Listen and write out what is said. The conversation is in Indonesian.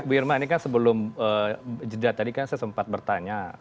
bu irma ini kan sebelum jeda tadi kan saya sempat bertanya